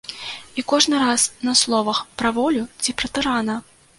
І кожны раз на словах пра волю ці пра тырана?